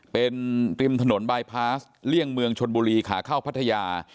เป็นริมถนนบายพาสเลี่ยงเมืองชนบุรีขาเข้าพัทยา